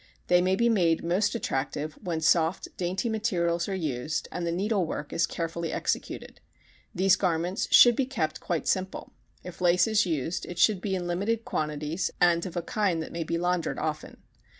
They may be made most attractive when soft dainty materials are used and the needlework is carefully executed. These garments should be kept quite simple. If lace is used it should be in limited quantities and of a kind that may be laundered often.